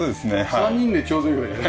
３人でちょうどいいぐらい。